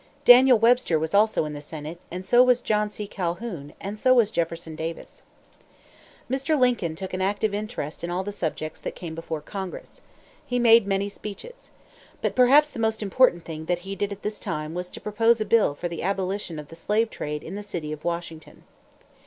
Daniel Webster was also in the Senate; and so was John C. Calhoun; and so was Jefferson Davis. Mr. Lincoln took an active interest in all the subjects that came before Congress. He made many speeches. But, perhaps, the most important thing that he did at this time was to propose a bill for the abolition of the slave trade in the city of Washington.